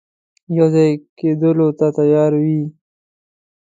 یو ځای کېدلو ته تیار وي.